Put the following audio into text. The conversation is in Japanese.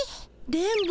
電ボ